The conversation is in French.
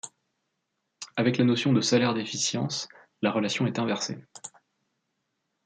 Avec la notion de salaire d'efficience, la relation est inversée.